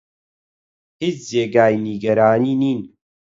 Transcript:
هیچ جێگەی نیگەرانی نین.